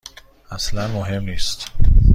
اصلا مهم نیست.